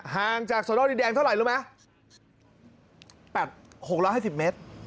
ห่างจากสนโลกดินแดงเท่าไรรู้ไหม